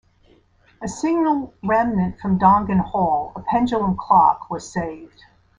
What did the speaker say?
A single remnant from Dongan Hall, a pendulum clock, was saved.